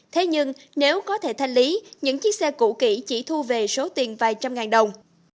thế nhưng nếu có thể thanh lý những chiếc xe cũ kỹ chỉ thu về số tiền vài trăm ngàn đồng